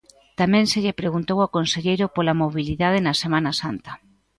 Tamén se lle preguntou ao conselleiro pola mobilidade na Semana Santa.